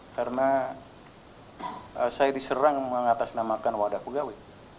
karena saya diserang mengatasnamakan wadah pegawai